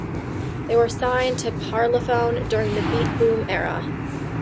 They were signed to Parlophone during the beat boom era.